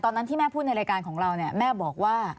ตอนนั้นที่แม่พูดในรายการของเราเนี่ยแม่บอกว่า